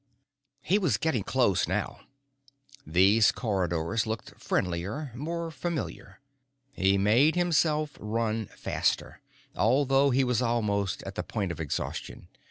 He was getting close now. These corridors looked friendlier, more familiar. He made himself run faster, although he was almost at the point of exhaustion.